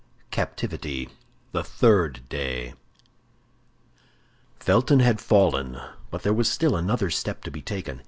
CAPTIVITY: THE THIRD DAY Felton had fallen; but there was still another step to be taken.